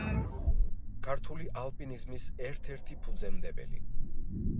ქართული ალპინიზმის ერთ-ერთი ფუძემდებელი.